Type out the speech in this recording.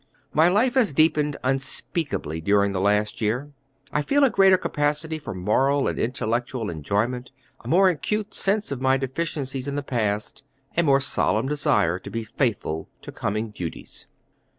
"My life has deepened unspeakably during the last year: I feel a greater capacity for moral and intellectual enjoyment, a more acute sense of my deficiencies in the past, a more solemn desire to be faithful to coming duties."